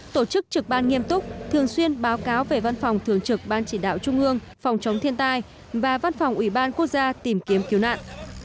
tổ chức trực ban nghiêm túc thường xuyên báo cáo về văn phòng thường trực ban chỉ đạo trung ương phòng chống thiên tai và văn phòng ủy ban quốc gia tìm kiếm cứu nạn